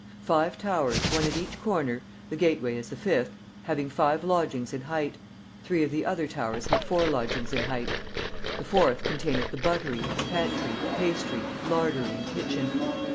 Five towers, one at each corner; the gateway is the fifth, having five lodgings in height; three of the other towers have four lodgings in height; the fourth containeth the buttery, pantry, pastry, lardery, and kitchen.